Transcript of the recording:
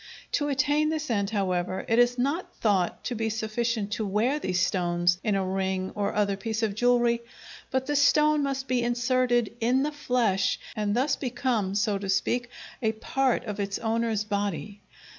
To attain this end, however, it is not thought to be sufficient to wear these stones in a ring or other piece of jewelry, but the stone must be inserted in the flesh, and thus become, so to speak, a part of its owner's body.